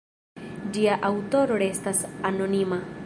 Ĝia aŭtoro restas anonima.